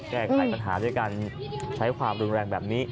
แก้ไขปัญหาด้วยการใช้ความรุนแรงแบบนี้